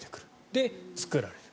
で、作られる。